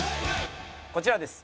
こちらです。